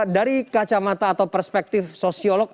dari kacamata atau perspektif sosiolog